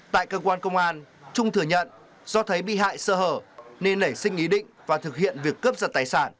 tại cơ quan công an trung thừa nhận do thấy bị hại sơ hở nên nảy sinh ý định và thực hiện việc cướp giật tài sản